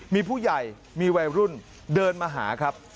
มีผู้ใหญ่มีวัยรุ่นเดินมาหาครับ